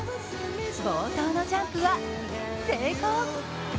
冒頭のジャンプは成功。